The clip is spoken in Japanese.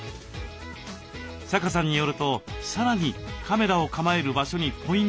阪さんによるとさらにカメラを構える場所にポイントが。